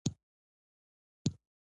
ده یو غږ اورېدلی و.